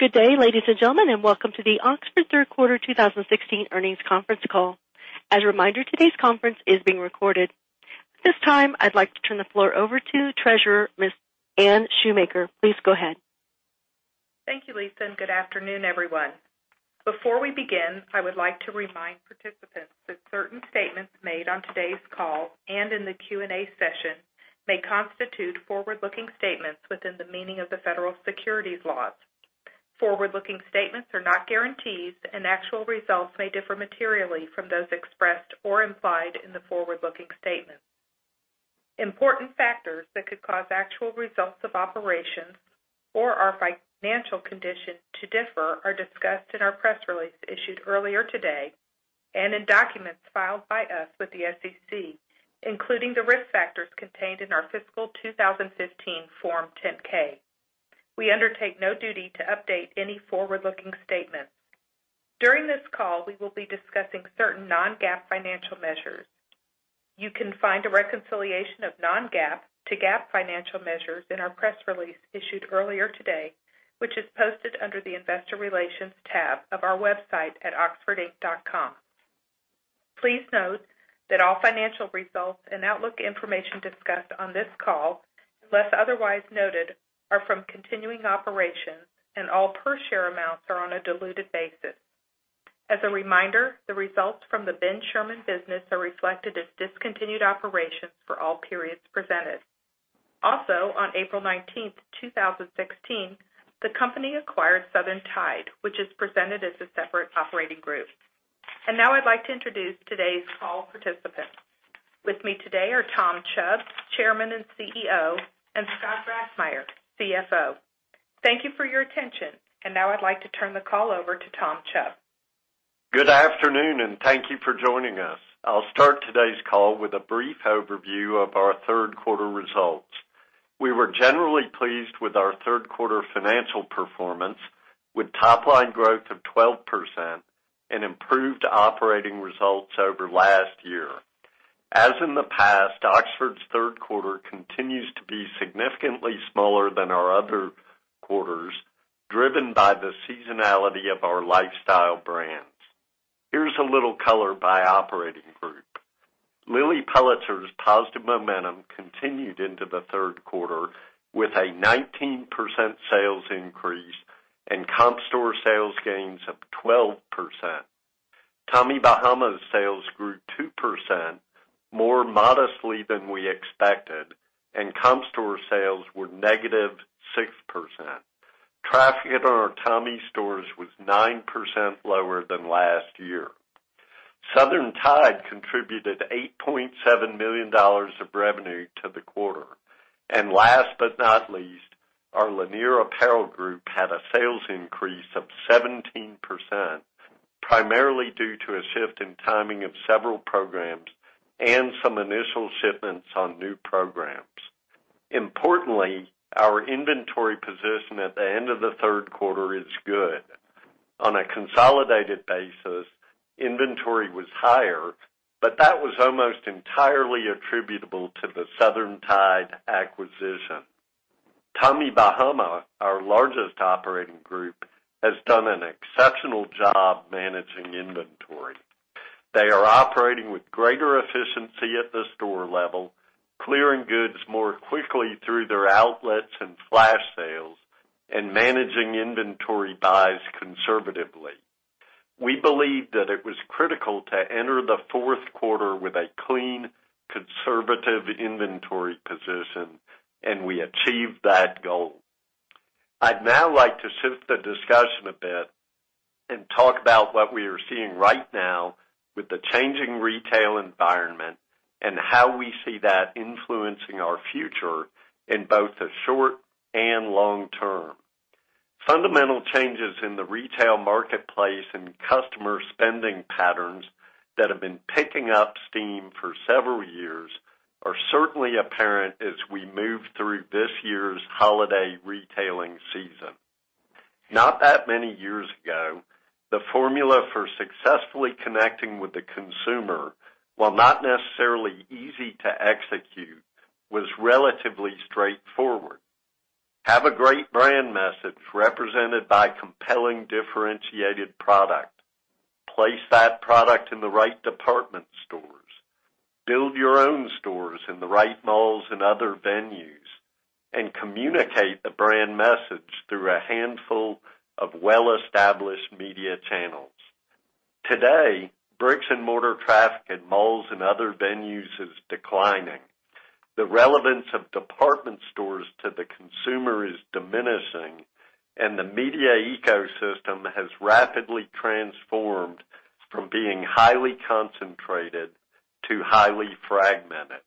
Good day, ladies and gentlemen, welcome to the Oxford third quarter 2016 earnings conference call. As a reminder, today's conference is being recorded. At this time, I'd like to turn the floor over to Treasurer, Ms. Anne Shoemaker. Please go ahead. Thank you, Lisa, good afternoon, everyone. Before we begin, I would like to remind participants that certain statements made on today's call in the Q&A session may constitute forward-looking statements within the meaning of the federal securities laws. Forward-looking statements are not guarantees, actual results may differ materially from those expressed or implied in the forward-looking statement. Important factors that could cause actual results of operations or our financial condition to differ are discussed in our press release issued earlier today and in documents filed by us with the SEC, including the risk factors contained in our fiscal 2015 Form 10-K. We undertake no duty to update any forward-looking statements. During this call, we will be discussing certain non-GAAP financial measures. You can find a reconciliation of non-GAAP to GAAP financial measures in our press release issued earlier today, which is posted under the Investor Relations tab of our website at oxfordinc.com. Please note that all financial results and outlook information discussed on this call, unless otherwise noted, are from continuing operations and all per share amounts are on a diluted basis. As a reminder, the results from the Ben Sherman business are reflected as discontinued operations for all periods presented. Also, on April 19th, 2016, the company acquired Southern Tide, which is presented as a separate operating group. Now I'd like to introduce today's call participants. With me today are Tom Chubb, Chairman and CEO, Scott Grassmyer, CFO. Thank you for your attention. Now I'd like to turn the call over to Tom Chubb. Good afternoon, thank you for joining us. I'll start today's call with a brief overview of our third quarter results. We were generally pleased with our third quarter financial performance, with top line growth of 12% and improved operating results over last year. As in the past, Oxford's third quarter continues to be significantly smaller than our other quarters, driven by the seasonality of our lifestyle brands. Here's a little color by operating group. Lilly Pulitzer's positive momentum continued into the third quarter with a 19% sales increase and comp store sales gains of 12%. Tommy Bahama's sales grew 2% more modestly than we expected, and comp store sales were negative 6%. Traffic in our Tommy stores was 9% lower than last year. Southern Tide contributed $8.7 million of revenue to the quarter. Last but not least, our Lanier Apparel Group had a sales increase of 17%, primarily due to a shift in timing of several programs and some initial shipments on new programs. Importantly, our inventory position at the end of the third quarter is good. On a consolidated basis, inventory was higher, but that was almost entirely attributable to the Southern Tide acquisition. Tommy Bahama, our largest operating group, has done an exceptional job managing inventory. They are operating with greater efficiency at the store level, clearing goods more quickly through their outlets and flash sales, and managing inventory buys conservatively. We believe that it was critical to enter the fourth quarter with a clean, conservative inventory position, and we achieved that goal. I'd now like to shift the discussion a bit and talk about what we are seeing right now with the changing retail environment and how we see that influencing our future in both the short and long term. Fundamental changes in the retail marketplace and customer spending patterns that have been picking up steam for several years are certainly apparent as we move through this year's holiday retailing season. Not that many years ago, the formula for successfully connecting with the consumer, while not necessarily easy to execute, was relatively straightforward. Have a great brand message represented by compelling, differentiated product. Place that product in the right department stores. Build your own stores in the right malls and other venues, and communicate the brand message through a handful of well-established media channels. Today, bricks and mortar traffic in malls and other venues is declining. The relevance of department stores to the consumer is diminishing. The media ecosystem has rapidly transformed from being highly concentrated to highly fragmented.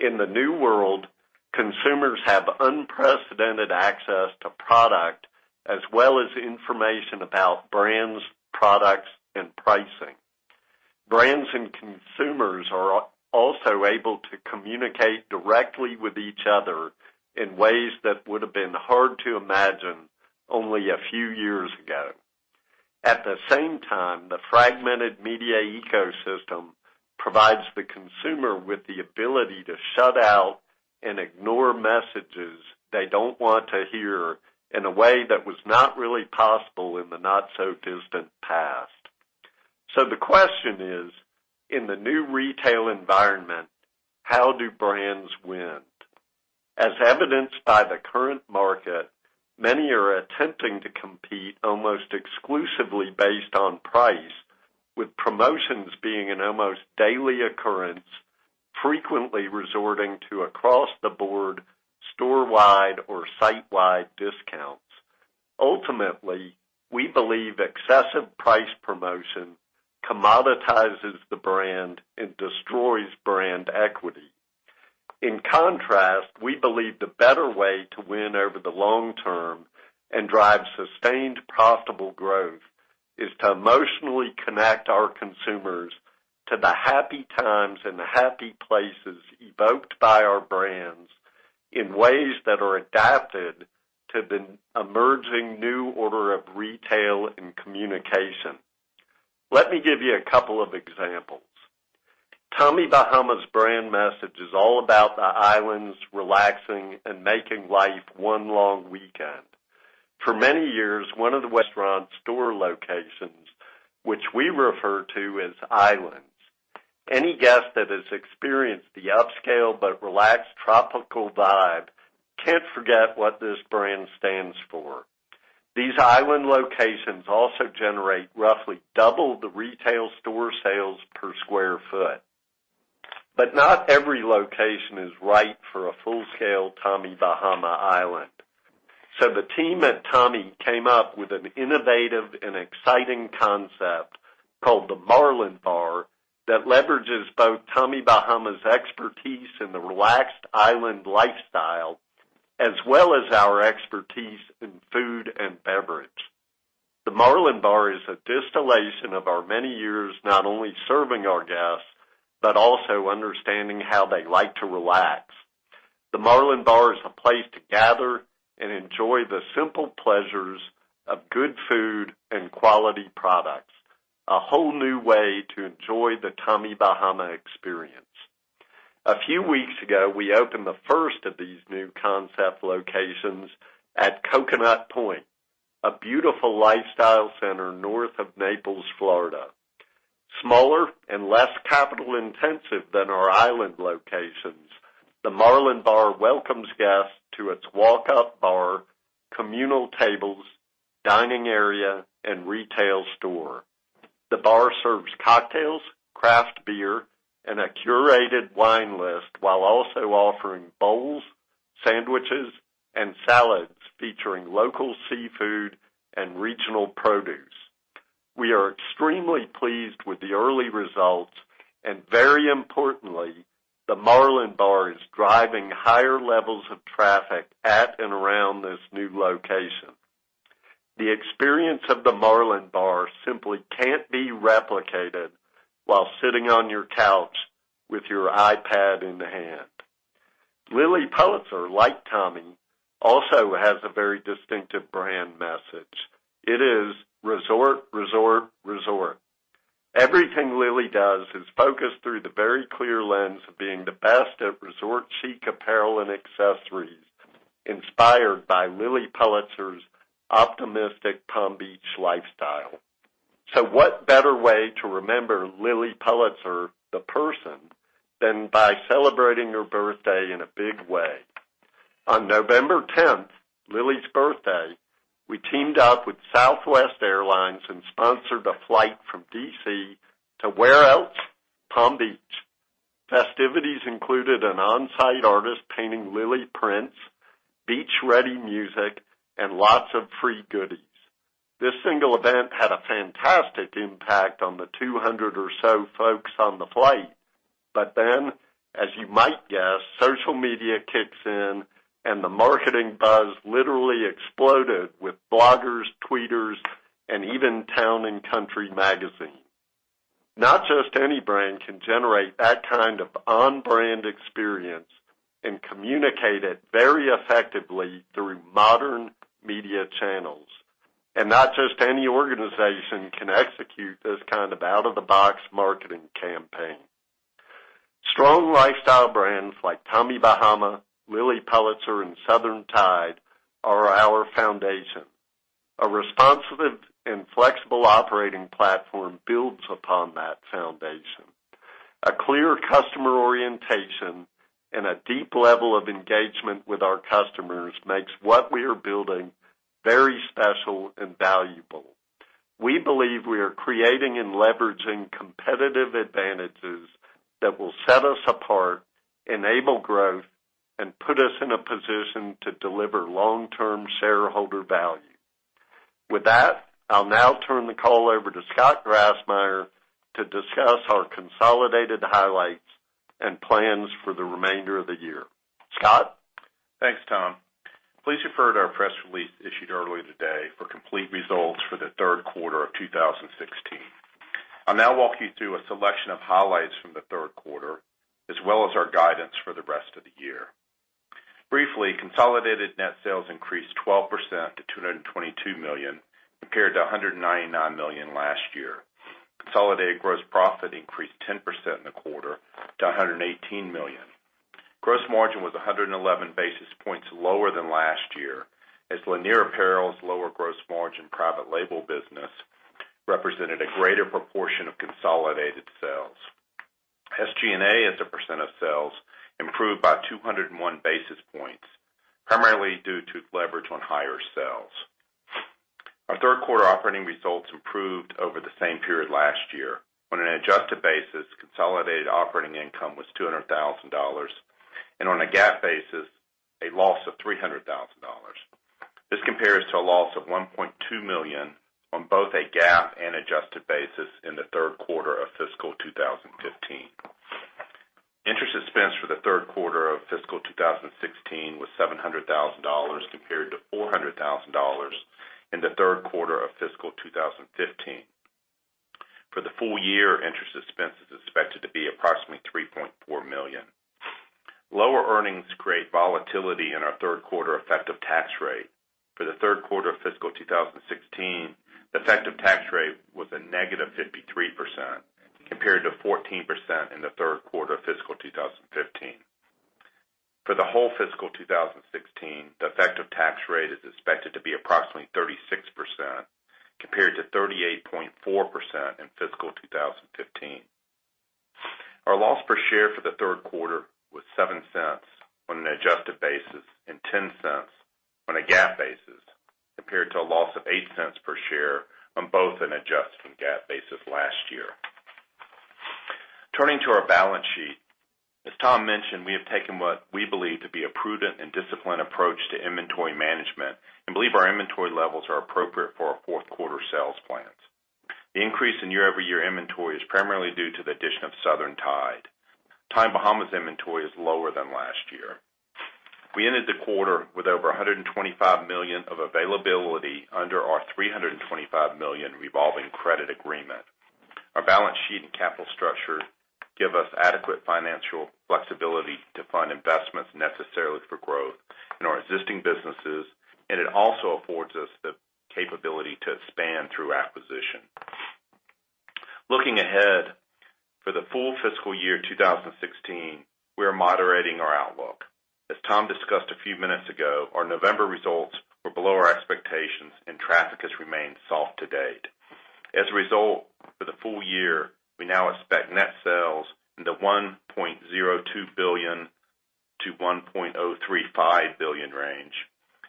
In the new world, consumers have unprecedented access to product as well as information about brands, products, and pricing. Brands and consumers are also able to communicate directly with each other in ways that would've been hard to imagine only a few years ago. At the same time, the fragmented media ecosystem provides the consumer with the ability to shut out and ignore messages they don't want to hear in a way that was not really possible in the not so distant past. The question is, in the new retail environment, how do brands win? As evidenced by the current market, many are attempting to compete almost exclusively based on price, with promotions being an almost daily occurrence, frequently resorting to across the board, storewide or sitewide discounts. Ultimately, we believe excessive price promotion commoditizes the brand and destroys brand equity. In contrast, we believe the better way to win over the long term and drive sustained profitable growth is to emotionally connect our consumers to the happy times and the happy places evoked by our brands in ways that are adapted to the emerging new order of retail and communication. Let me give you a couple of examples. Tommy Bahama's brand message is all about the islands relaxing and making life one long weekend. For many years, one of the restaurant store locations, which we refer to as islands. Any guest that has experienced the upscale but relaxed tropical vibe can't forget what this brand stands for. These island locations also generate roughly double the retail store sales per square foot. Not every location is right for a full-scale Tommy Bahama island. The team at Tommy came up with an innovative and exciting concept called the Marlin Bar that leverages both Tommy Bahama's expertise in the relaxed island lifestyle, as well as our expertise in food and beverage. The Marlin Bar is a distillation of our many years not only serving our guests, but also understanding how they like to relax. The Marlin Bar is a place to gather and enjoy the simple pleasures of good food and quality products. A whole new way to enjoy the Tommy Bahama experience. A few weeks ago, we opened the first of these new concept locations at Coconut Point, a beautiful lifestyle center north of Naples, Florida. Smaller and less capital intensive than our island locations, the Marlin Bar welcomes guests to its walk-up bar, communal tables, dining area, and retail store. The bar serves cocktails, craft beer, and a curated wine list, while also offering bowls, sandwiches, and salads featuring local seafood and regional produce. We are extremely pleased with the early results, and very importantly, the Marlin Bar is driving higher levels of traffic at and around this new location. The experience of the Marlin Bar simply can't be replicated while sitting on your couch with your iPad in hand. Lilly Pulitzer, like Tommy, also has a very distinctive brand message. It is resort, resort. Everything Lilly does is focused through the very clear lens of being the best at resort chic apparel and accessories, inspired by Lilly Pulitzer's optimistic Palm Beach lifestyle. What better way to remember Lilly Pulitzer, the person, than by celebrating her birthday in a big way. On November 10th, Lilly's birthday, we teamed up with Southwest Airlines and sponsored a flight from D.C. to where else? Palm Beach. Festivities included an on-site artist painting Lilly prints, beach-ready music, and lots of free goodies. This single event had a fantastic impact on the 200 or so folks on the flight. As you might guess, social media kicks in and the marketing buzz literally exploded with bloggers, tweeters, and even Town & Country Magazine. Not just any brand can generate that kind of on-brand experience and communicate it very effectively through modern media channels. Not just any organization can execute this kind of out of the box marketing campaign. Strong lifestyle brands like Tommy Bahama, Lilly Pulitzer, and Southern Tide are our foundation. A responsive and flexible operating platform builds upon that foundation. A clear customer orientation and a deep level of engagement with our customers makes what we are building very special and valuable. We believe we are creating and leveraging competitive advantages that will set us apart, enable growth, and put us in a position to deliver long-term shareholder value. With that, I'll now turn the call over to Scott Grassmyer to discuss our consolidated highlights and plans for the remainder of the year. Scott? Thanks, Tom. Please refer to our press release issued earlier today for complete results for the third quarter. I'll now walk you through a selection of highlights from the third quarter, as well as our guidance for the rest of the year. Briefly, consolidated net sales increased 12% to $222 million, compared to $199 million last year. Consolidated gross profit increased 10% in the quarter to $118 million. Gross margin was 111 basis points lower than last year, as Lanier Apparel's lower gross margin private label business represented a greater proportion of consolidated sales. SG&A as a percent of sales improved by 201 basis points, primarily due to leverage on higher sales. Our third quarter operating results improved over the same period last year. On an adjusted basis, consolidated operating income was $200,000, and on a GAAP basis, a loss of $300,000. This compares to a loss of $1.2 million on both a GAAP and adjusted basis in the third quarter of fiscal 2015. Interest expense for the third quarter of fiscal 2016 was $700,000, compared to $400,000 in the third quarter of fiscal 2015. For the full year, interest expense is expected to be approximately $3.4 million. Lower earnings create volatility in our third quarter effective tax rate. For the third quarter of fiscal 2016, the effective tax rate was a negative 53%, compared to 14% in the third quarter of fiscal 2015. For the whole fiscal 2016, the effective tax rate is expected to be approximately 36%, compared to 38.4% in fiscal 2015. Our loss per share for the third quarter was $0.07 on an adjusted basis and $0.10 on a GAAP basis, compared to a loss of $0.08 per share on both an adjusted and GAAP basis last year. Turning to our balance sheet. As Tom mentioned, we have taken what we believe to be a prudent and disciplined approach to inventory management and believe our inventory levels are appropriate for our fourth quarter sales plans. The increase in year-over-year inventory is primarily due to the addition of Southern Tide. Tommy Bahama's inventory is lower than last year. We ended the quarter with over $125 million of availability under our $325 million revolving credit agreement. Our balance sheet and capital structure give us adequate financial flexibility to fund investments necessary for growth in our existing businesses, and it also affords us the capability to expand through acquisition. Looking ahead, for the full fiscal year 2016, we are moderating our outlook. As Tom discussed a few minutes ago, our November results were below our expectations and traffic has remained soft to date. As a result, for the full year, we now expect net sales in the $1.02 billion-$1.035 billion range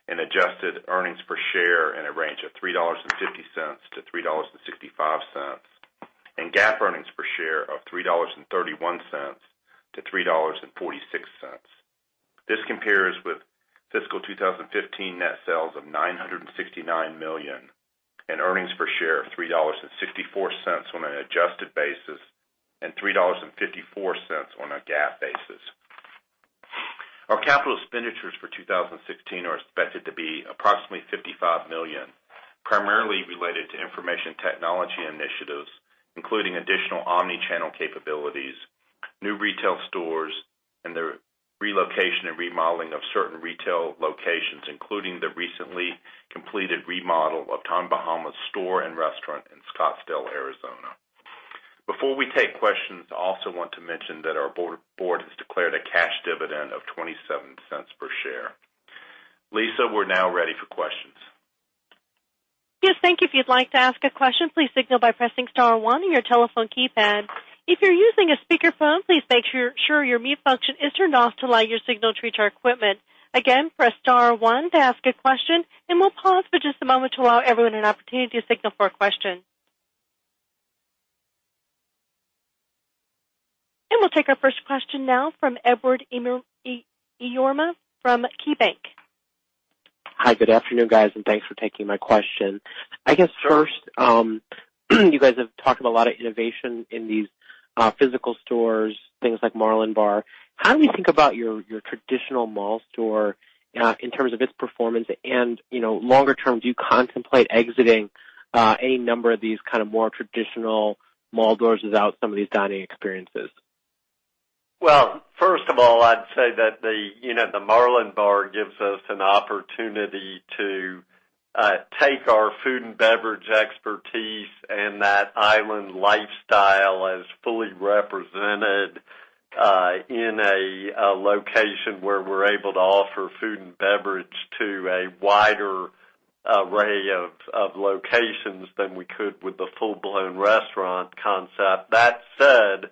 and adjusted earnings per share in a range of $3.50-$3.65 and GAAP earnings per share of $3.31-$3.46. This compares with fiscal 2015 net sales of $969 million and earnings per share of $3.64 on an adjusted basis and $3.54 on a GAAP basis. Our capital expenditures for 2016 are expected to be approximately $55 million, primarily related to information technology initiatives, including additional omni-channel capabilities, new retail stores, and the relocation and remodeling of certain retail locations, including the recently completed remodel of Tommy Bahama's store and restaurant in Scottsdale, Arizona. Before we take questions, I also want to mention that our board has declared a cash dividend of $0.27 per share. Lisa, we're now ready for questions. Yes, thank you. If you'd like to ask a question, please signal by pressing star one on your telephone keypad. If you're using a speakerphone, please make sure your mute function is turned off to allow your signal to reach our equipment. Again, press star one to ask a question. We'll pause for just a moment to allow everyone an opportunity to signal for a question. We'll take our first question now from Edward Yruma from KeyBanc. Hi, good afternoon, guys, and thanks for taking my question. I guess first, you guys have talked about a lot of innovation in these physical stores, things like Marlin Bar. How do you think about your traditional mall store in terms of its performance and longer term, do you contemplate exiting any number of these more traditional mall stores without some of these dining experiences? Well, first of all, I'd say that the Marlin Bar gives us an opportunity to take our food and beverage expertise and that island lifestyle as fully represented in a location where we're able to offer food and beverage to a wider array of locations than we could with the full-blown restaurant concept. That said,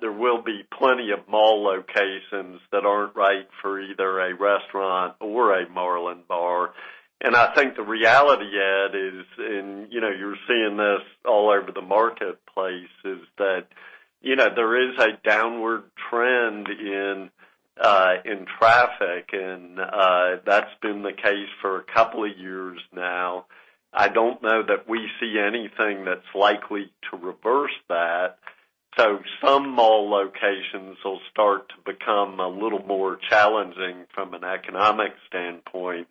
there will be plenty of mall locations that aren't right for either a restaurant or a Marlin Bar. I think the reality, Ed, you're seeing this all over the marketplace, is that there is a downward trend in traffic, and that's been the case for a couple of years now. I don't know that we see anything that's likely to reverse that Some mall locations will start to become a little more challenging from an economic standpoint.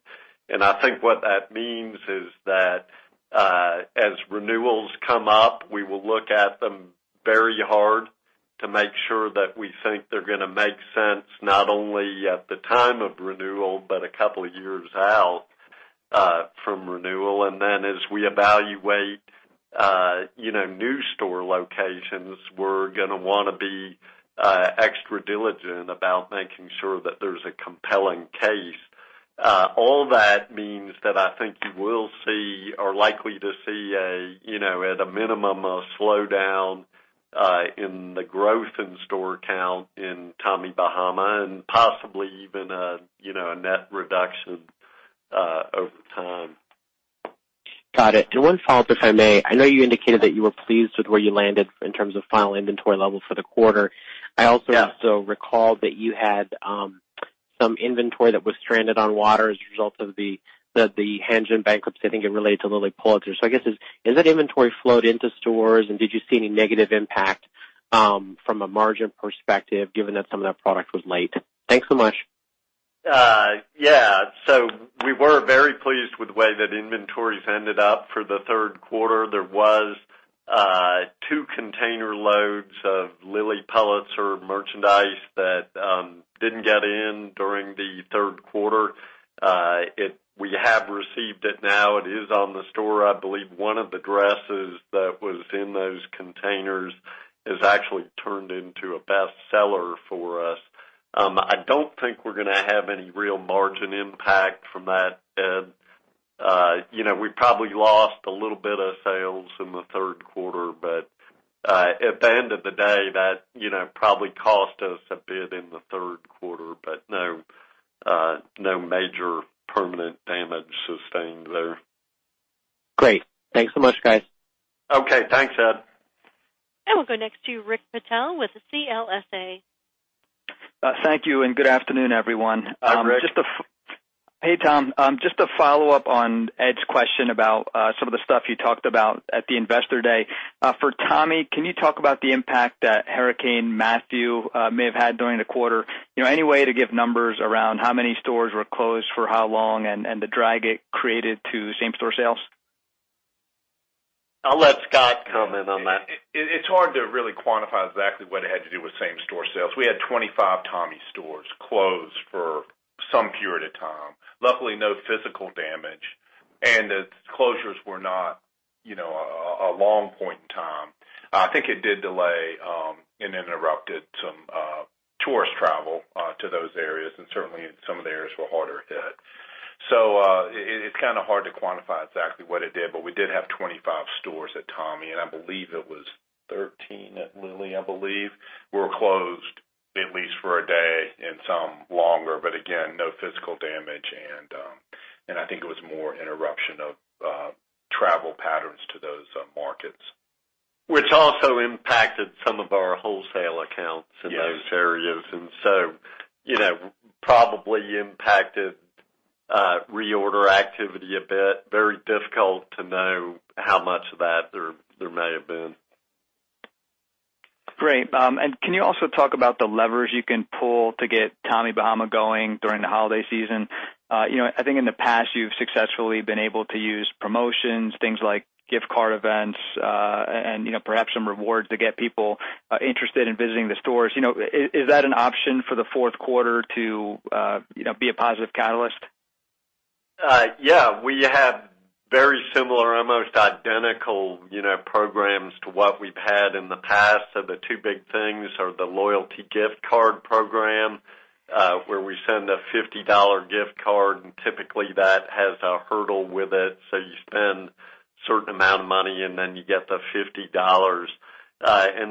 I think what that means is that, as renewals come up, we will look at them very hard to make sure that we think they're going to make sense, not only at the time of renewal, but a couple of years out from renewal. As we evaluate new store locations, we're going to want to be extra diligent about making sure that there's a compelling case. All that means that I think you will see or likely to see, at a minimum, a slowdown in the growth in store count in Tommy Bahama, and possibly even a net reduction over time. Got it. One follow-up, if I may. I know you indicated that you were pleased with where you landed in terms of final inventory levels for the quarter. Yeah. I also recall that you had some inventory that was stranded on water as a result of the Hanjin bankruptcy. I think it related to Lilly Pulitzer. I guess, has that inventory flowed into stores, and did you see any negative impact from a margin perspective, given that some of that product was late? Thanks so much. Yeah. We were very pleased with the way that inventories ended up for the third quarter. There was two container loads of Lilly Pulitzer merchandise that didn't get in during the third quarter. We have received it now. It is on the store. I believe one of the dresses that was in those containers has actually turned into a best seller for us. I don't think we're gonna have any real margin impact from that, Ed. We probably lost a little bit of sales in the third quarter, but at the end of the day, that probably cost us a bit in the third quarter, but no major permanent damage sustained there. Great. Thanks so much, guys. Okay. Thanks, Ed. We'll go next to Rick Patel with CLSA. Thank you, and good afternoon, everyone. Rick. Hey, Tom. Just a follow-up on Ed's question about some of the stuff you talked about at the Investor Day. For Tommy, can you talk about the impact that Hurricane Matthew may have had during the quarter? Any way to give numbers around how many stores were closed for how long and the drag it created to same-store sales? I'll let Scott comment on that. It's hard to really quantify exactly what it had to do with same-store sales. We had 25 Tommy stores closed for some period of time. Luckily, no physical damage, and the closures were not a long point in time. I think it did delay and interrupted some tourist travel to those areas, and certainly some of the areas were harder hit. It's kind of hard to quantify exactly what it did, but we did have 25 stores at Tommy, and I believe it was 13 at Lilly, I believe, were closed at least for a day and some longer. Again, no physical damage, and I think it was more interruption of travel patterns to those markets. Which also impacted some of our wholesale accounts in those areas. Yes. Probably impacted reorder activity a bit. Very difficult to know how much of that there may have been. Great. Can you also talk about the levers you can pull to get Tommy Bahama going during the holiday season? I think in the past, you've successfully been able to use promotions, things like gift card events, and perhaps some rewards to get people interested in visiting the stores. Is that an option for the fourth quarter to be a positive catalyst? Yeah. We have very similar, almost identical programs to what we've had in the past. The two big things are the loyalty gift card program, where we send a $50 gift card, and typically that has a hurdle with it. You spend a certain amount of money, and then you get the $50.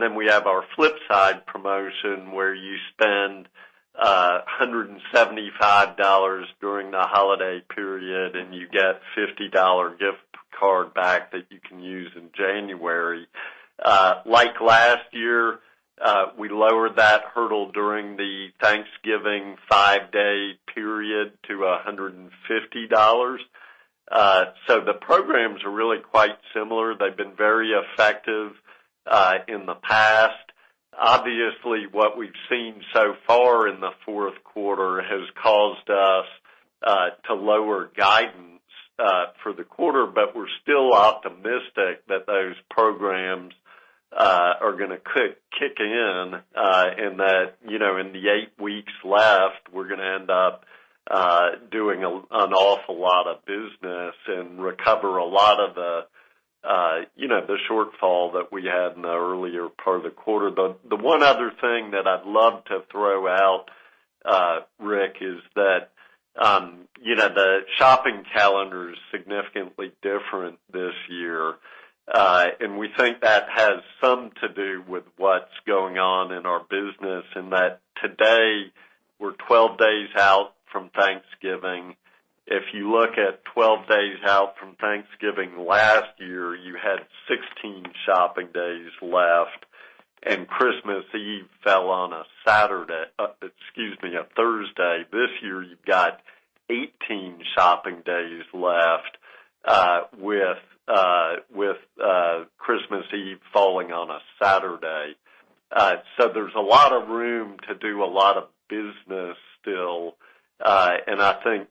Then we have our Flip Side promotion, where you spend $175 during the holiday period, and you get a $50 gift card back that you can use in January. Like last year, we lowered that hurdle during the Thanksgiving five-day period to $150. The programs are really quite similar. They've been very effective in the past. Obviously, what we've seen so far in the fourth quarter has caused us to lower guidance for the quarter, but we're still optimistic that those programs are gonna kick in and that in the eight weeks left, we're gonna end up doing an awful lot of business and recover a lot of the shortfall that we had in the earlier part of the quarter. The one other thing that I'd love to throw out, Rick, is that the shopping calendar is significantly different this year. We think that has something to do with what's going on in our business, and that today we're 12 days out from Thanksgiving. If you look at 12 days out from Thanksgiving last year, you had 16 shopping days left, and Christmas Eve fell on a Saturday, excuse me, a Thursday. This year, you've got 18 shopping days left. Christmas Eve falling on a Saturday. There's a lot of room to do a lot of business still, and I think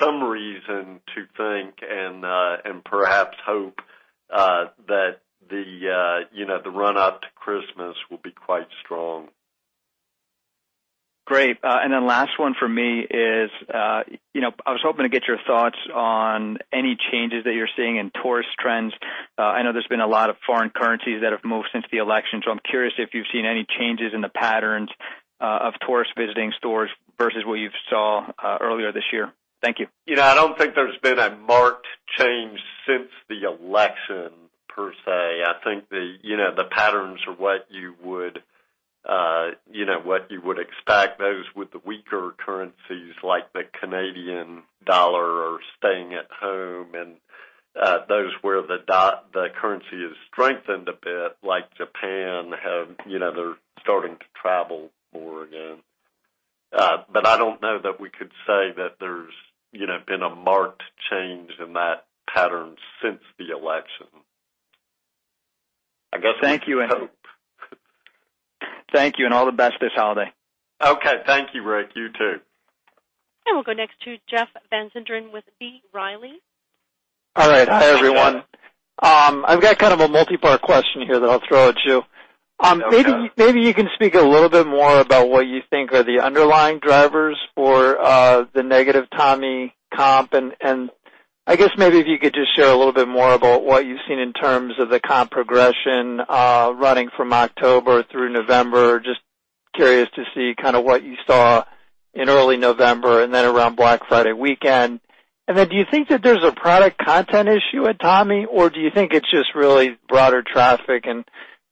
some reason to think and perhaps hope that the run-up to Christmas will be quite strong. Great. Last one for me is, I was hoping to get your thoughts on any changes that you're seeing in tourist trends. I know there's been a lot of foreign currencies that have moved since the election, so I'm curious if you've seen any changes in the patterns of tourists visiting stores versus what you saw earlier this year. Thank you. I don't think there's been a marked change since the election, per se. I think the patterns are what you would expect. Those with the weaker currencies, like the Canadian dollar, are staying at home, and those where the currency has strengthened a bit, like Japan, they're starting to travel more again. I don't know that we could say that there's been a marked change in that pattern since the election. I guess we can hope. Thank you, and all the best this holiday. Okay. Thank you, Rick. You too. We'll go next to Jeff Van Sinderen with B. Riley. All right. Hi, everyone. I've got kind of a multipart question here that I'll throw at you. Okay. Maybe you can speak a little bit more about what you think are the underlying drivers for the negative Tommy comp, and I guess maybe if you could just share a little bit more about what you've seen in terms of the comp progression running from October through November. Just curious to see what you saw in early November and then around Black Friday weekend. Then do you think that there's a product content issue at Tommy, or do you think it's just really broader traffic?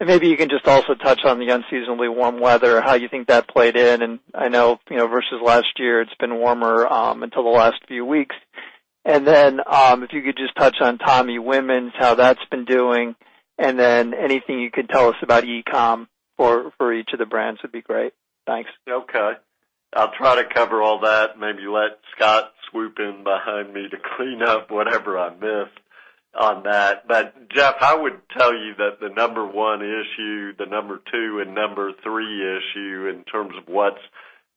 Maybe you can just also touch on the unseasonably warm weather, how you think that played in. I know, versus last year, it's been warmer until the last few weeks. Then, if you could just touch on Tommy women's, how that's been doing, and then anything you could tell us about e-com for each of the brands would be great. Thanks. Okay. I'll try to cover all that, maybe let Scott swoop in behind me to clean up whatever I missed on that. Jeff, I would tell you that the number 1 issue, the number 2 and number 3 issue in terms of what's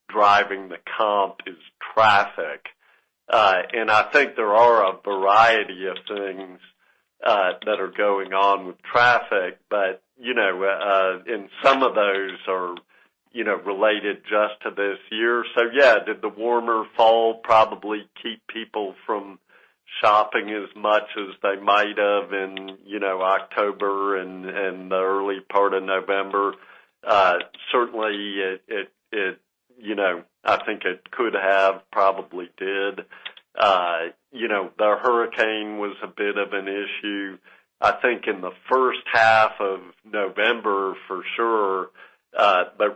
driving the comp is traffic. I think there are a variety of things that are going on with traffic, and some of those are related just to this year. Yeah, did the warmer fall probably keep people from shopping as much as they might have in October and the early part of November? Certainly, I think it could have, probably did. The hurricane was a bit of an issue, I think, in the first half of November, for sure.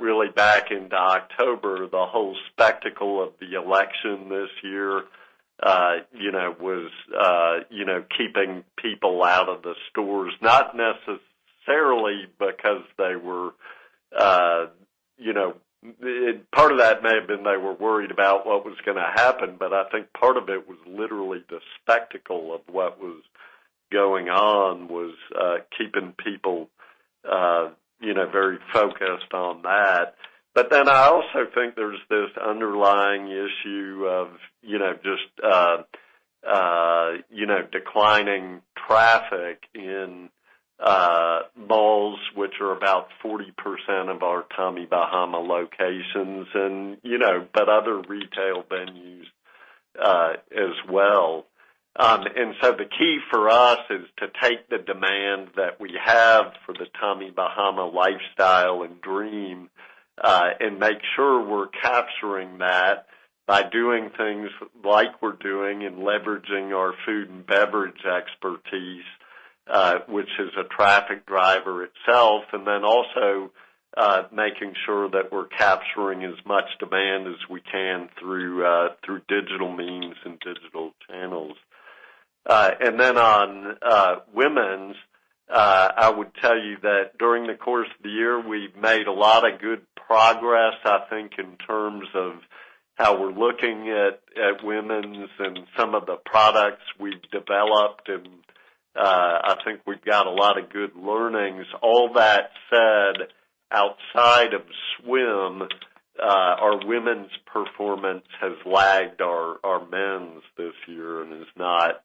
Really back into October, the whole spectacle of the election this year was keeping people out of the stores, not necessarily because part of that may have been they were worried about what was going to happen, but I think part of it was literally the spectacle of what was going on was keeping people very focused on that. I also think there's this underlying issue of just declining traffic in malls, which are about 40% of our Tommy Bahama locations, but other retail venues as well. The key for us is to take the demand that we have for the Tommy Bahama lifestyle and dream, and make sure we're capturing that by doing things like we're doing and leveraging our food and beverage expertise, which is a traffic driver itself, and then also making sure that we're capturing as much demand as we can through digital means and digital channels. On women's, I would tell you that during the course of the year, we've made a lot of good progress, I think, in terms of how we're looking at women's and some of the products we've developed, and I think we've got a lot of good learnings. All that said, outside of swim, our women's performance has lagged our men's this year and is not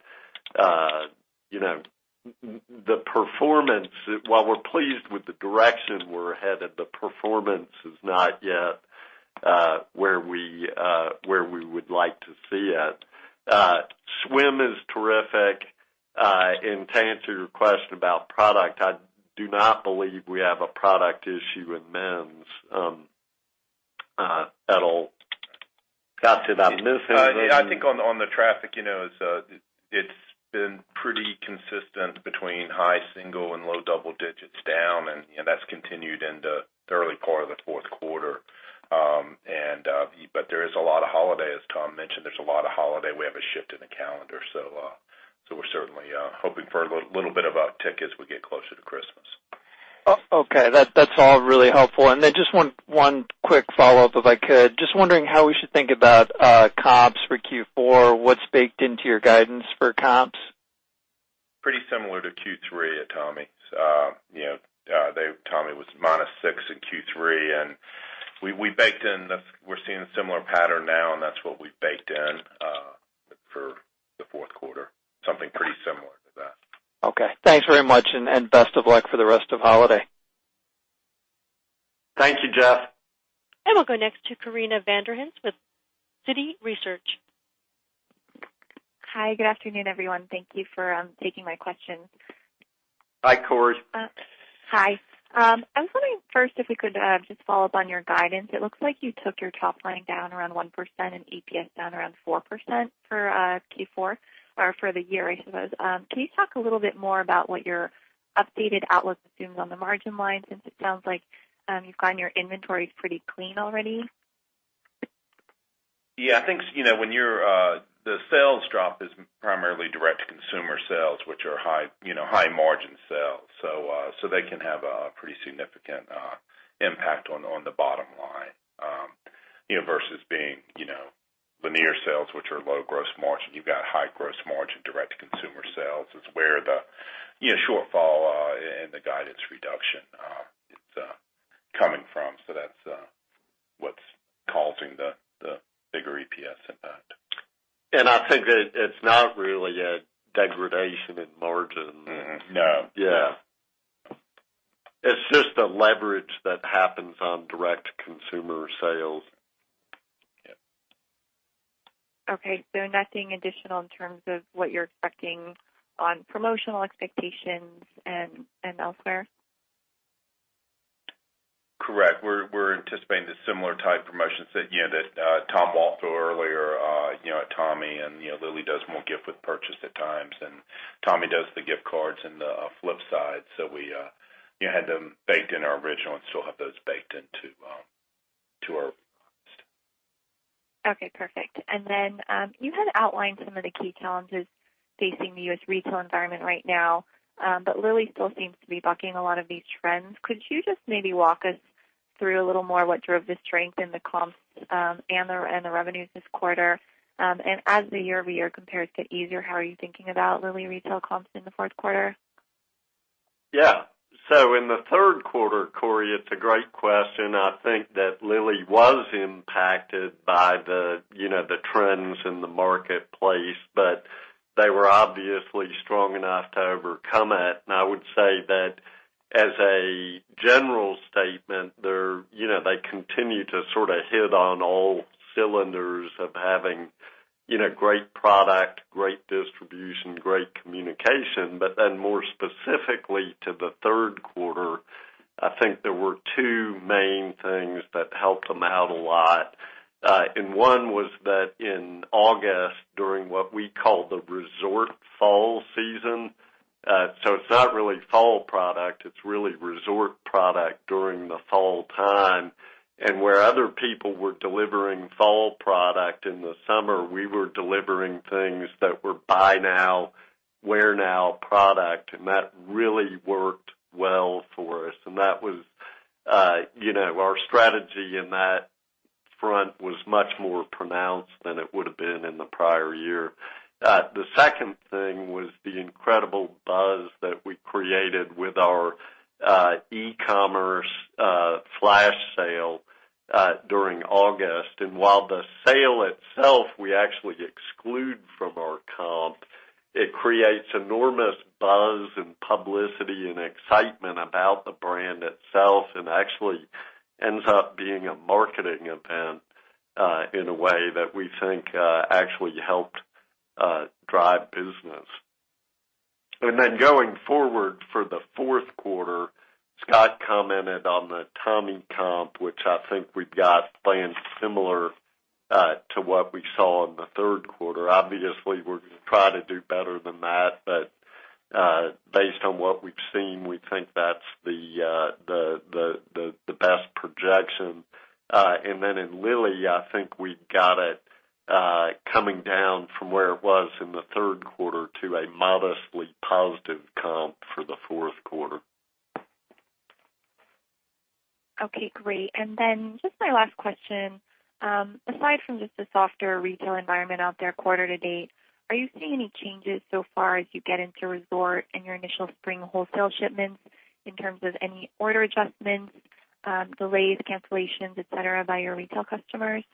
while we're pleased with the direction we're headed, the performance is not yet where we would like to see it. Swim is terrific. To answer your question about product, I do not believe we have a product issue in men's at all. Scott, did I miss anything? On the traffic, it's been pretty consistent between high single and low double digits down, and that's continued in the early part of the fourth quarter. There is a lot of holiday, as Tom mentioned, there's a lot of holiday. We have a shift in the calendar. We're certainly hoping for a little bit of uptick as we get closer to Christmas. Okay. That's all really helpful. Just one quick follow-up, if I could. Just wondering how we should think about comps for Q4. What's baked into your guidance for comps? Pretty similar to Q3 at Tommy. Tommy was minus six in Q3, and we're seeing a similar pattern now, and that's what we've baked in for the fourth quarter, something pretty similar to that. Okay. Thanks very much. Best of luck for the rest of holiday. Thank you, Jeff. We'll go next to Corinna Van der Ghinst with Citi Research. Hi, good afternoon, everyone. Thank you for taking my questions. Hi, Cor. Hi. I was wondering first if you could just follow up on your guidance. It looks like you took your top line down around 1% and EPS down around 4% for Q4, or for the year, I suppose. Can you talk a little bit more about what your updated outlook assumes on the margin line, since it sounds like you find your inventory's pretty clean already? Yeah, the sales drop is primarily direct-to-consumer sales, which are high margin sales. They can have a pretty significant impact on the bottom line. Versus being Lanier sales, which are low gross margin. You've got high gross margin, direct-to-consumer sales is where the shortfall and the guidance reduction is coming from. That's what's causing the bigger EPS impact. I think that it's not really a degradation in margin. No. Yeah. It's just the leverage that happens on direct-to-consumer sales. Yeah. Okay, nothing additional in terms of what you're expecting on promotional expectations and elsewhere? Correct. We're anticipating the similar type promotions that Tom walked through earlier at Tommy, and Lilly does more gift with purchase at times, and Tommy does the gift cards and the Flip Side. We had them baked in our original and still have those baked into our. Okay, perfect. You had outlined some of the key challenges facing the U.S. retail environment right now. Lilly still seems to be bucking a lot of these trends. Could you just maybe walk us through a little more what drove the strength in the comps and the revenues this quarter? As the year-over-year compares get easier, how are you thinking about Lilly retail comps in the fourth quarter? Yeah. In the third quarter, Cor, it's a great question. I think that Lilly was impacted by the trends in the marketplace, they were obviously strong enough to overcome it. I would say that as a general statement, they continue to sort of hit on all cylinders of having great product, great distribution, great communication. More specifically to the third quarter, I think there were two main things that helped them out a lot. One was that in August, during what we call the resort fall season, it's not really fall product, it's really resort product during the fall time. Where other people were delivering fall product in the summer, we were delivering things that were buy now, wear now product, and that really worked well for us. Our strategy in that front was much more pronounced than it would've been in the prior year. The second thing was the incredible buzz that we created with our e-commerce flash sale during August. While the sale itself, we actually exclude from our comp, it creates enormous buzz and publicity and excitement about the brand itself and actually ends up being a marketing event in a way that we think actually helped drive business. Going forward for the fourth quarter, Scott commented on the Tommy comp, which I think we've got planned similar to what we saw in the third quarter. Obviously, we're going to try to do better than that, but based on what we've seen, we think that's the best projection. In Lilly, I think we've got it coming down from where it was in the third quarter to a modestly positive comp for the fourth quarter. Okay, great. Just my last question. Aside from just the softer retail environment out there quarter to date, are you seeing any changes so far as you get into resort and your initial spring wholesale shipments in terms of any order adjustments, delays, cancellations, et cetera, by your retail customers?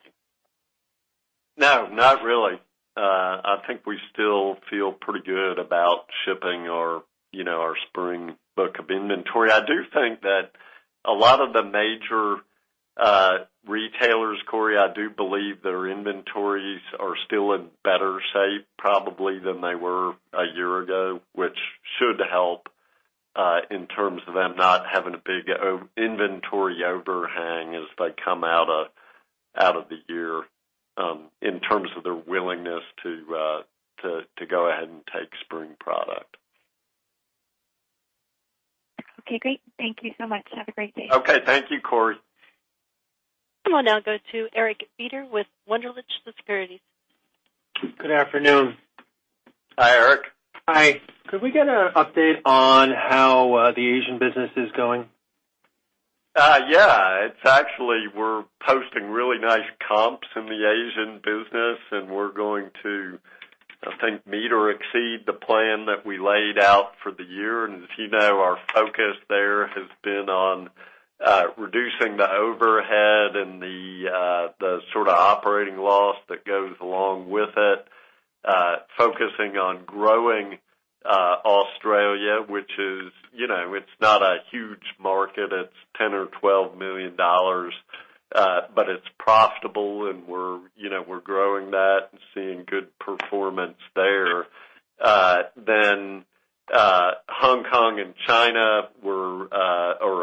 No, not really. I think we still feel pretty good about shipping our spring book of inventory. I do think that a lot of the major retailers, Cor, I do believe their inventories are still in better shape probably than they were a year ago, which should help in terms of them not having a big inventory overhang as they come out of the year in terms of their willingness to go ahead and take spring product. Okay, great. Thank you so much. Have a great day. Okay. Thank you, Cor. We'll now go to Eric Beder with Wunderlich Securities. Good afternoon. Hi, Eric. Hi. Could we get an update on how the Asian business is going? Yeah. Actually, we're posting really nice comps in the Asian business, we're going to, I think, meet or exceed the plan that we laid out for the year. As you know, our focus there has been on reducing the overhead and the sort of operating loss that goes along with it. Focusing on growing Australia, which is not a huge market. It's $10 million or $12 million, but it's profitable and we're growing that and seeing good performance there. Hong Kong and China, or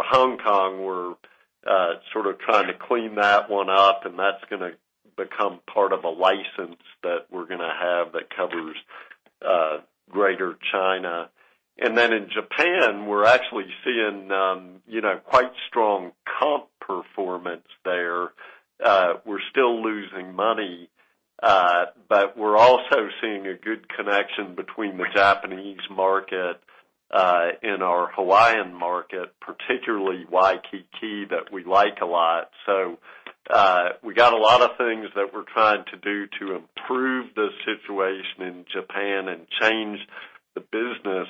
Hong Kong, we're sort of trying to clean that one up, and that's going to become part of a license that we're going to have that covers Greater China. In Japan, we're actually seeing quite strong comp performance there. We're still losing money, we're also seeing a good connection between the Japanese market and our Hawaiian market, particularly Waikiki, that we like a lot. We got a lot of things that we're trying to do to improve the situation in Japan and change the business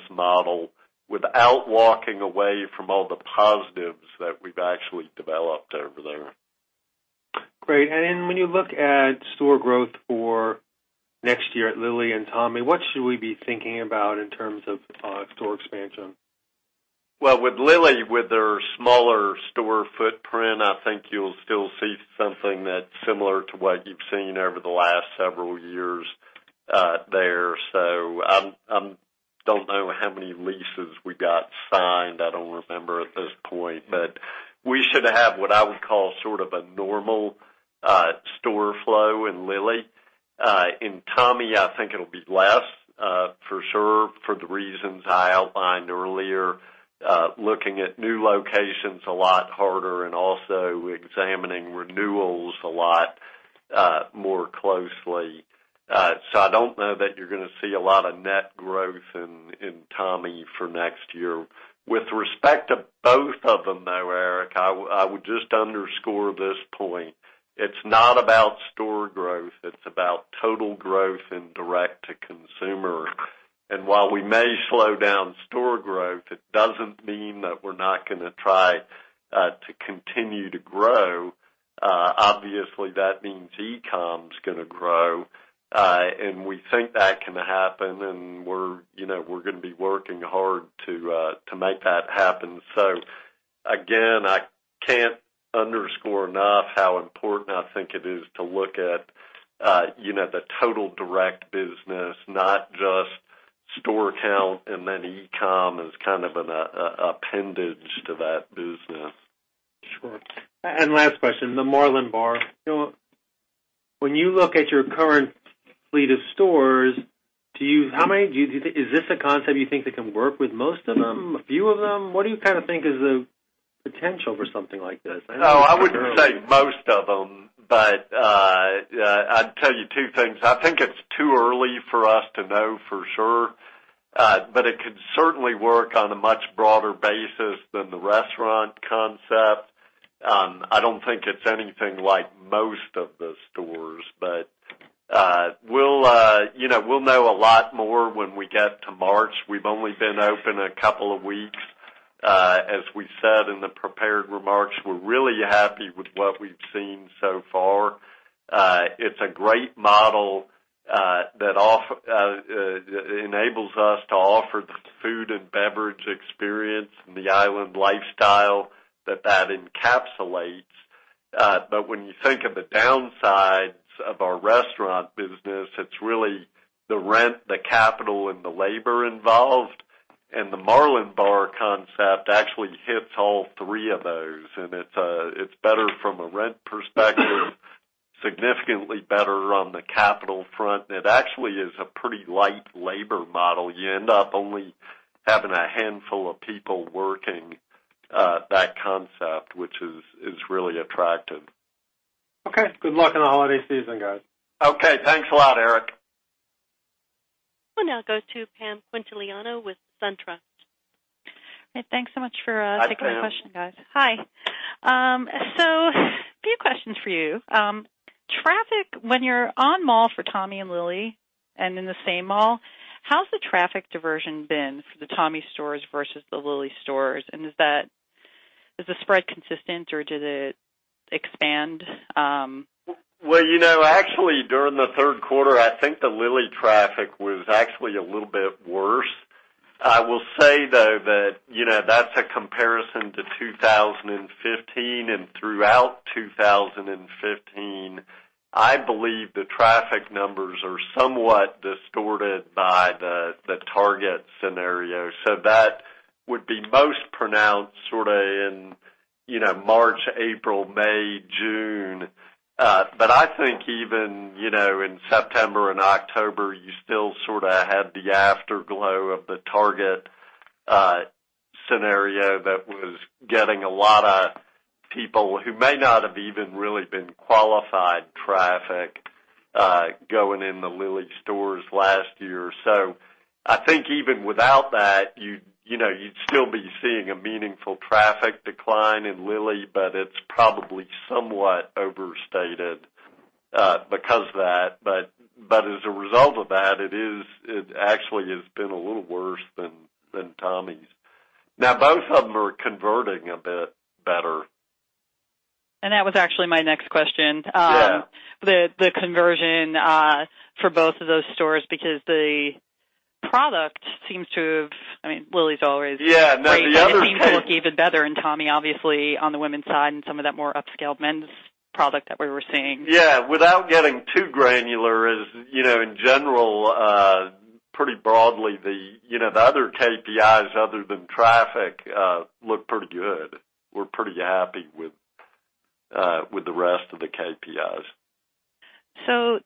model without walking away from all the positives that we've actually developed over there. Great. When you look at store growth for next year at Lilly and Tommy, what should we be thinking about in terms of store expansion? Well, with Lilly, with their smaller store footprint, I think you'll still see something that's similar to what you've seen over the last several years there. I don't know how many leases we got signed. I don't remember at this point. We should have what I would call sort of a normal store flow in Lilly. In Tommy, I think it'll be less, for sure, for the reasons I outlined earlier. Looking at new locations a lot harder and also examining renewals a lot more closely. I don't know that you're going to see a lot of net growth in Tommy for next year. With respect to both of them, though, Eric, I would just underscore this point. It's not about store growth, it's about total growth in direct-to-consumer. While we may slow down store growth, it doesn't mean that we're not going to try to continue to grow. Obviously, that means e-com's going to grow. We think that can happen, and we're going to be working hard to make that happen. Again, I can't underscore enough how important I think it is to look at the total direct business, not just store count, and then e-com as kind of an appendage to that business. Sure. Last question, the Marlin Bar. When you look at your current fleet of stores, is this a concept you think that can work with most of them, a few of them? What do you kind of think is the potential for something like this? I know it's early. I wouldn't say most of them, but I'd tell you two things. I think it's too early for us to know for sure. It could certainly work on a much broader basis than the restaurant concept. I don't think it's anything like most of the stores, but we'll know a lot more when we get to March. We've only been open a couple of weeks. As we said in the prepared remarks, we're really happy with what we've seen so far. It's a great model that enables us to offer the food and beverage experience and the island lifestyle that encapsulates. When you think of the downsides of our restaurant business, it's really the rent, the capital, and the labor involved. The Marlin Bar concept actually hits all three of those, and it's better from a rent perspective, significantly better on the capital front. It actually is a pretty light labor model. You end up only having a handful of people working that concept, which is really attractive. Okay. Good luck on the holiday season, guys. Okay. Thanks a lot, Eric. We'll now go to Pam Quintiliano with SunTrust. Thanks so much for taking the question, guys. Hi, Pam. Hi. A few questions for you. Traffic when you're on mall for Tommy and Lilly and in the same mall, how's the traffic diversion been for the Tommy stores versus the Lilly stores? Is the spread consistent, or did it expand? Actually during the third quarter, I think the Lilly traffic was actually a little bit worse. I will say, though, that that's a comparison to 2015, and throughout 2015, I believe the traffic numbers are somewhat distorted by the Target scenario. That would be most pronounced sort of in March, April, May, June. I think even in September and October, you still sort of had the afterglow of the Target scenario that was getting a lot of people who may not have even really been qualified traffic going in the Lilly stores last year. I think even without that, you'd still be seeing a meaningful traffic decline in Lilly, but it's probably somewhat overstated because of that. As a result of that, it actually has been a little worse than Tommy's. Both of them are converting a bit better. That was actually my next question. Yeah. The conversion for both of those stores, because the product seems to have Lilly's always Yeah. The other It seems to work even better in Tommy, obviously, on the women's side and some of that more upscale men's product that we were seeing. Yeah. Without getting too granular is, in general, pretty broadly, the other KPIs other than traffic look pretty good. We're pretty happy with the rest of the KPIs.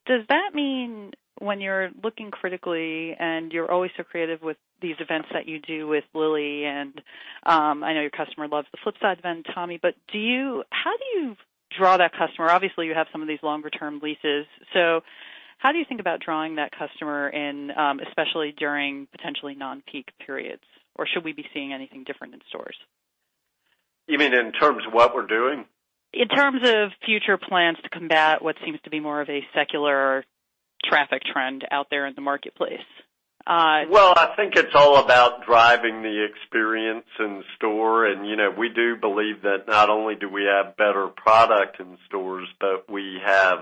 Does that mean when you're looking critically and you're always so creative with these events that you do with Lilly, and I know your customer loves the Flip Side event, Tommy, how do you draw that customer? Obviously, you have some of these longer-term leases. How do you think about drawing that customer in, especially during potentially non-peak periods? Should we be seeing anything different in stores? You mean in terms of what we're doing? In terms of future plans to combat what seems to be more of a secular traffic trend out there in the marketplace. I think it's all about driving the experience in store, and we do believe that not only do we have better product in stores, we have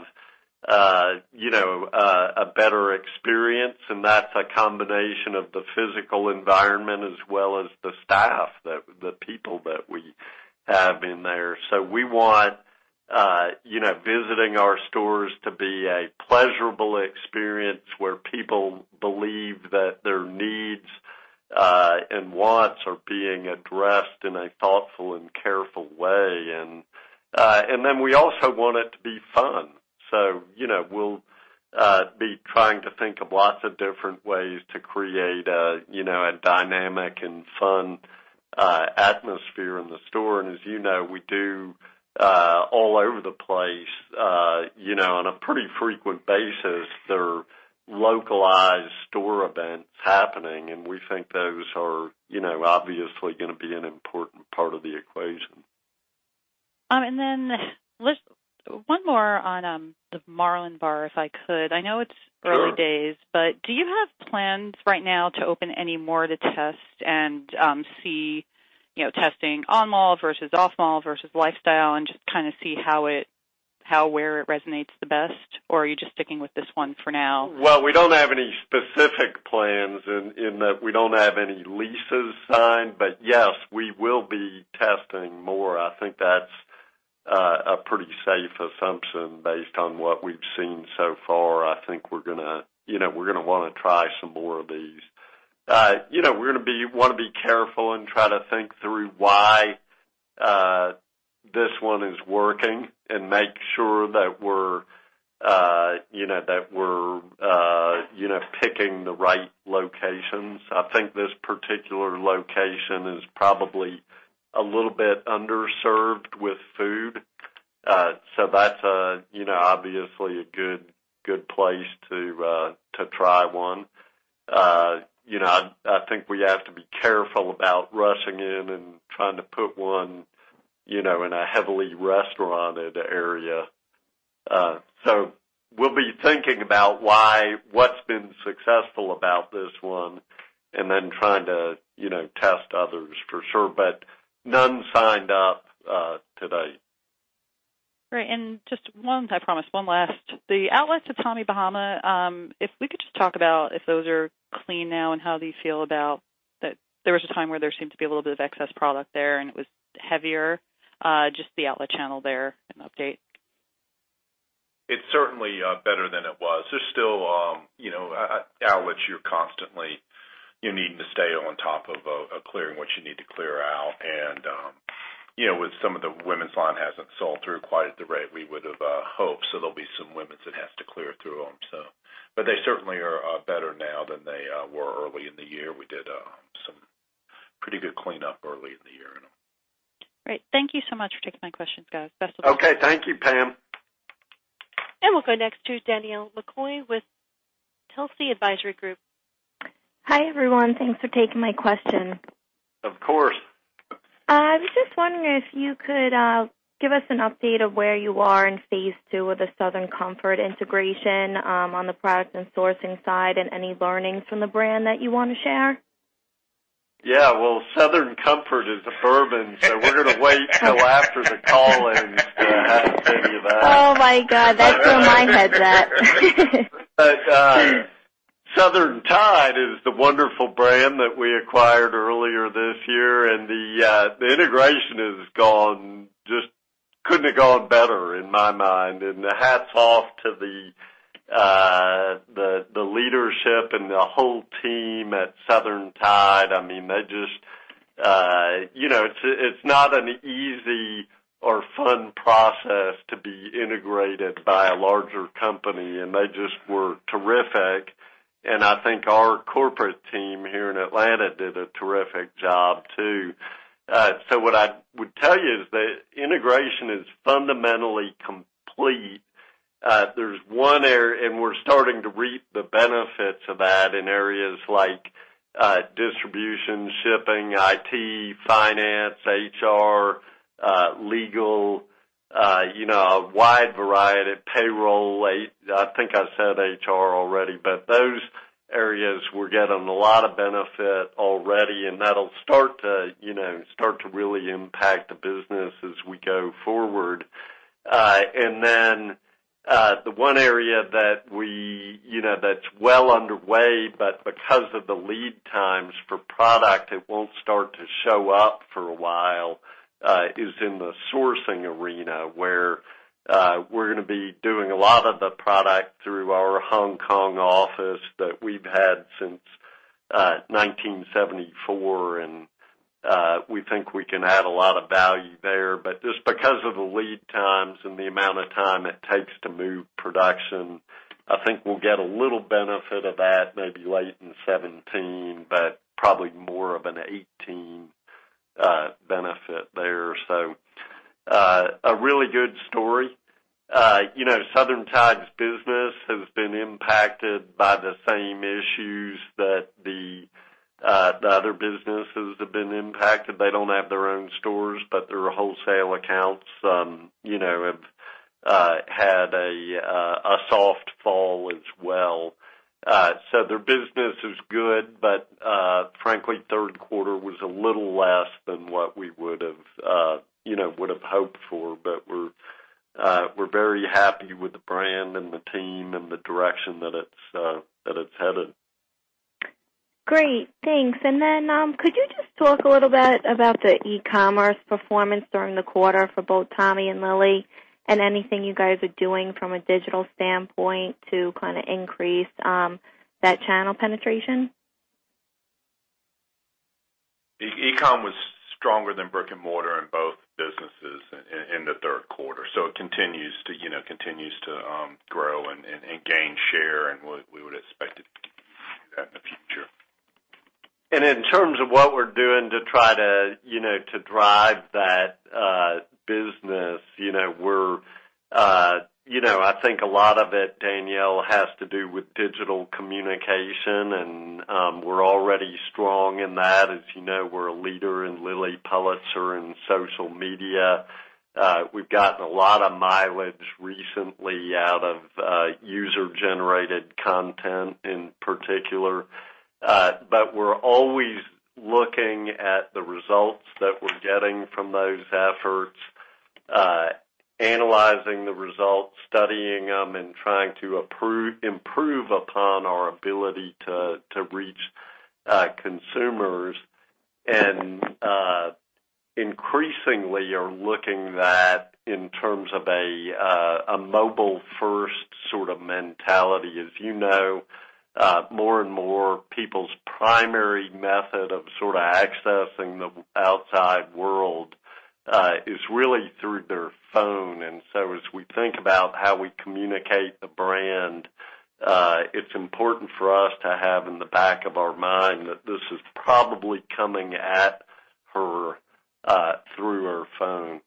a better experience, and that's a combination of the physical environment as well as the staff, the people that we have in there. We want visiting our stores to be a pleasurable experience where people believe that their needs and wants are being addressed in a thoughtful and careful way. We also want it to be fun. We'll be trying to think of lots of different ways to create a dynamic and fun atmosphere in the store. As you know, we do all over the place, on a pretty frequent basis, there are localized store events happening, and we think those are obviously going to be an important part of the equation. One more on the Marlin Bar, if I could. I know it's early days. Sure Do you have plans right now to open any more to test and see testing on mall versus off mall versus lifestyle and just see where it resonates the best? Or are you just sticking with this one for now? Well, we don't have any specific plans in that we don't have any leases signed. Yes, we will be testing more. I think that's a pretty safe assumption based on what we've seen so far. I think we're going to want to try some more of these. We want to be careful and try to think through why this one is working and make sure that we're picking the right locations. I think this particular location is probably a little bit underserved with food. That's obviously a good place to try one. I think we have to be careful about rushing in and trying to put one in a heavily restauranted area. We'll be thinking about what's been successful about this one and then trying to test others for sure, but none signed up to date. Great. Just one, I promise, one last. The outlets at Tommy Bahama, if we could just talk about if those are clean now and how do you feel about that there was a time where there seemed to be a little bit of excess product there, and it was heavier, just the outlet channel there, an update. It's certainly better than it was. There's still outlets you're constantly needing to stay on top of clearing what you need to clear out. With some of the women's line hasn't sold through quite at the rate we would have hoped. There'll be some women's that has to clear through them. They certainly are better now than they were early in the year. We did some pretty good cleanup early in the year. Great. Thank you so much for taking my questions, guys. Best of luck. Okay. Thank you, Pam. We'll go next to Danielle McCoy with Telsey Advisory Group. Hi, everyone. Thanks for taking my question. Of course. I was just wondering if you could give us an update of where you are in phase two of the Southern Tide integration on the product and sourcing side and any learnings from the brand that you want to share. Yeah. Well, Southern Tide is a bourbon so we're going to wait till after the call and have to think about it. Oh my God. That's where my head's at. Southern Tide is the wonderful brand that we acquired earlier this year, and the integration just couldn't have gone better, in my mind. Hats off to the leadership and the whole team at Southern Tide. It's not an easy or fun process to be integrated by a larger company, and they just were terrific. I think our corporate team here in Atlanta did a terrific job too. What I would tell you is that integration is fundamentally complete. We're starting to reap the benefits of that in areas like distribution, shipping, IT, finance, HR, legal, a wide variety, payroll. I think I said HR already, but those areas we're getting a lot of benefit already, and that'll start to really impact the business as we go forward. The one area that's well underway, but because of the lead times for product, it won't start to show up for a while, is in the sourcing arena, where we're going to be doing a lot of the product through our Hong Kong office that we've had since 1974. We think we can add a lot of value there. Just because of the lead times and the amount of time it takes to move production, I think we'll get a little benefit of that maybe late in 2017, but probably more of a 2018 benefit there. A really good story. Southern Tide's business has been impacted by the same issues that the other businesses have been impacted. They don't have their own stores, but their wholesale accounts have had a soft fall as well. Their business is good, but frankly, third quarter was a little less than what we would've hoped for. We're very happy with the brand and the team and the direction that it's headed. Great. Thanks. Could you just talk a little bit about the e-commerce performance during the quarter for both Tommy and Lilly, and anything you guys are doing from a digital standpoint to kind of increase that channel penetration? E-com was stronger than brick-and-mortar in both businesses in the third quarter. It continues to grow and gain share, and we would expect it to continue that in the future. In terms of what we're doing to try to drive that business, I think a lot of it, Danielle, has to do with digital communication and we're already strong in that. As you know, we're a leader in Lilly Pulitzer and social media. We've gotten a lot of mileage recently out of user-generated content in particular. We're always looking at the results that we're getting from those efforts, analyzing the results, studying them and trying to improve upon our ability to reach consumers. Increasingly are looking that in terms of a mobile-first sort of mentality. As you know, more and more people's primary method of sort of accessing the outside world is really through their phone. As we think about how we communicate the brand, it's important for us to have in the back of our mind that this is probably coming at her through her phone.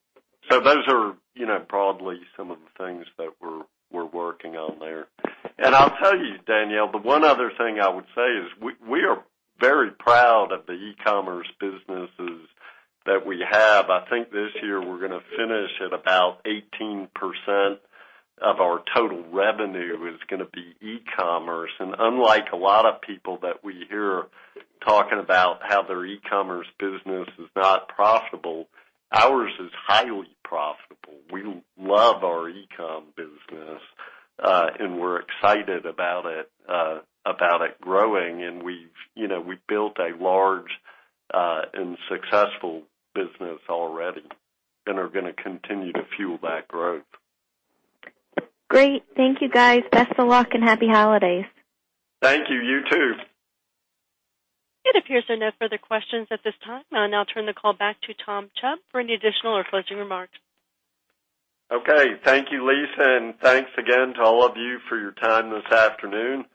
Those are broadly some of the things that we're working on there. I'll tell you, Danielle, the one other thing I would say is we are very proud of the e-commerce businesses that we have. I think this year we're going to finish at about 18% of our total revenue is going to be e-commerce. Unlike a lot of people that we hear talking about how their e-commerce business is not profitable, ours is highly profitable. We love our e-com business, and we're excited about it growing. We've built a large and successful business already and are going to continue to fuel that growth. Great. Thank you guys. Best of luck and happy holidays. Thank you. You too. It appears there are no further questions at this time. I'll now turn the call back to Tom Chubb for any additional or closing remarks. Okay. Thank you, Lisa. Thanks again to all of you for your time this afternoon.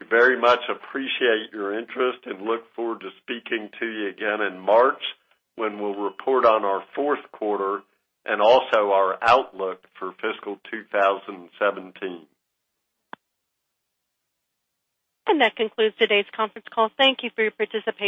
We very much appreciate your interest and look forward to speaking to you again in March when we'll report on our fourth quarter and also our outlook for fiscal 2017. That concludes today's conference call. Thank you for your participation.